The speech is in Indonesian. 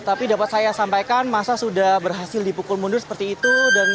tapi dapat saya sampaikan masa sudah berhasil dipukul mundur seperti itu